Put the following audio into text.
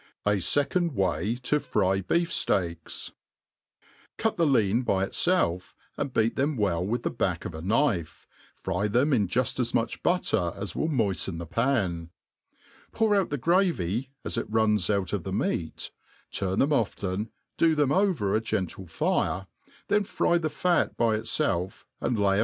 A fecmd way to fry Btef Steaks, CUT thelean by itfelf, and beat them well with the back of a knife, fry them in yuft as much butter as will moifien the pan, pour out the gravy as it rpns out of the meat, turn them ' often, do them over a gentle fire, then fry the fat by itfelf and lay.